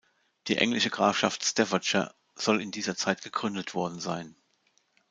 Die englische Grafschaft Staffordshire soll in dieser Zeit gegründet worden sein.